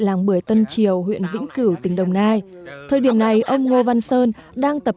làng bưởi tân triều huyện vĩnh cửu tỉnh đồng nai thời điểm này ông ngô văn sơn đang tập